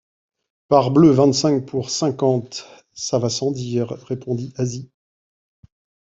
Parbleu, vingt-cinq pour cinquante, ça va sans dire, répondit Asie.